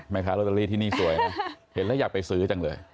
แม่ค้าโรตารี่ที่นี่สวยนะเห็นแล้วอยากไปซื้อจังเลย